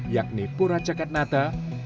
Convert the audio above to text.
yakni pura cekatnata